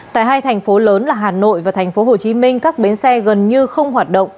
tại hai thành phố lớn là hà nội và thành phố hồ chí minh các bến xe gần như không hoạt động